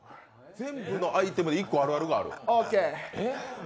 全部のアイテムに１個あるあるがあると。